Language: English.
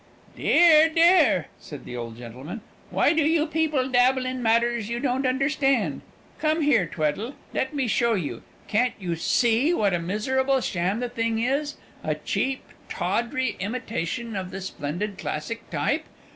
"Dear, dear," said the old gentleman, "why do you people dabble in matters you don't understand? Come here, Tweddle, and let me show you. Can't you see what a miserable sham the thing is a cheap, tawdry imitation of the splendid classic type?